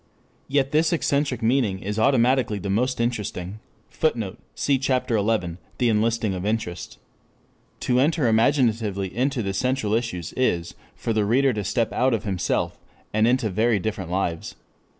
Yet this eccentric meaning is automatically the most interesting. [Footnote: Cf. Ch. XI, "The Enlisting of Interest."] To enter imaginatively into the central issues is for the reader to step out of himself, and into very different lives.